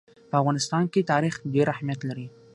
په افغانستان کې تاریخ ډېر اهمیت لري.